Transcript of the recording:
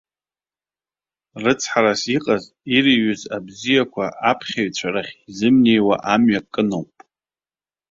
Рыцҳарас иҟаз, ирыҩуаз абзиақәа аԥх ьаҩцәа рахь изымнеиуа амҩа кын ауп.